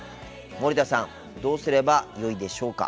森田さんどうすればよいでしょうか。